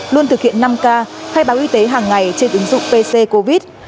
luôn thực hiện năm k khai báo y tế hàng ngày trên ứng dụng pc covid